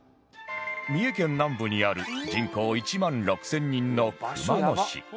三重県南部にある人口１万６０００人の熊野市